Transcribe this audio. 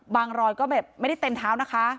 รอยก็แบบไม่ได้เต็มเท้านะคะ